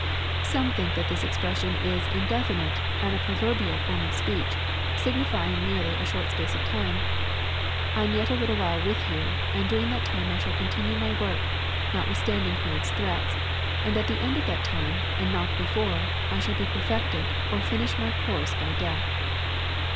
Some think that this expression is indefinite, and a proverbial form of speech, signifying merely a short space of time :—" I am yet a Httle time with you, and during that time I shall continue ray work, notwithstanding Herod's threats ; and at the end of that time, and not before, I shall be perfected, or finish my course by death."